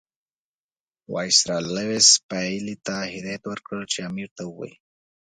وایسرا لیویس پیلي ته هدایت ورکړ چې امیر ته ووایي.